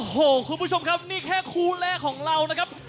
โอ้โหคุณผู้ชมครับนี่แค่คู่แรกของเรานะครับ